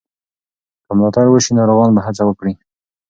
که ملاتړ وشي، ناروغان به هڅه وکړي.